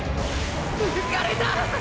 抜かれた！！